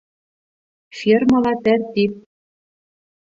Фермала - тәртип.